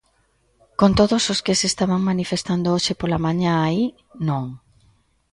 Con todos os que se estaban manifestando hoxe pola mañá aí, non.